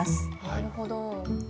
なるほど。